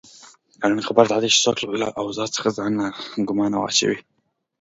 اړینه خبره داده چې څوک له اوضاع څخه ځان ناګومانه واچوي.